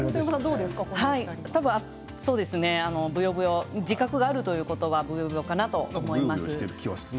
ブヨブヨ、自覚があるということはブヨブヨかなと思います。